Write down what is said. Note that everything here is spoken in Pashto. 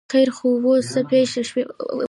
ـ خیر خو وو، څه پېښه شوې؟